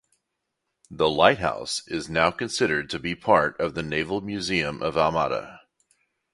The lighthouse is now considered to be part of the Naval Museum of Almada.